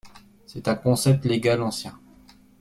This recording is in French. C'est un concept légal ancien.